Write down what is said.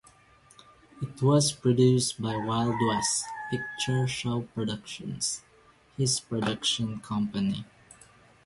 It was produced by Wild West Picture Show Productions, his production company.